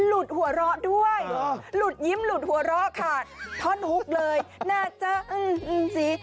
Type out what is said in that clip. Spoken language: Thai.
หลุดยิ้มหลุดหัวเราะค่ะท่อนฮุกเลยน่าจะอื้ออื้อสิ